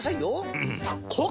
うん！